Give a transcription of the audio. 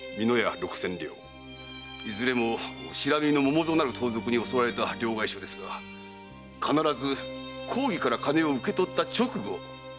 いずれも「不知火の百蔵」なる盗賊に襲われた両替商ですが必ず公儀から金を受け取った直後に襲われております。